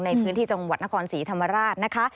ในพื้นที่จังหวัดนครศรีธรรมราชนะคะ